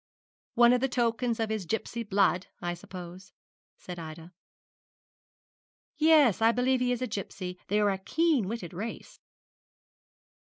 'One of the tokens of his gipsy blood, I suppose,' said Ida. 'Yes; I believe he is a gipsy. They are a keen witted race.'